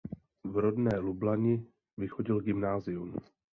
V rodné Lublani vychodil gymnázium.